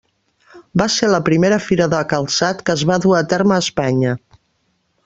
Va ser la primera fira de calçat que es va dur a terme a Espanya.